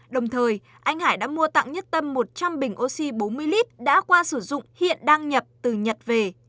đồng thời anh hải đã mua tặng nhất tâm một trăm linh bình oxy bốn mươi lít đã qua sử dụng hiện đang nhập từ nhật về